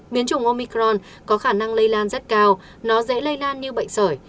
biến chủng omicron có khả năng lây lan rất cao nó dễ lây lan như bệnh sởi